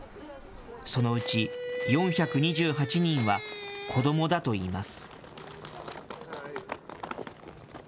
そのうち４２８人は子どもだといいます。